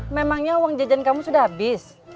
memangnya uang jajan kamu sudah habis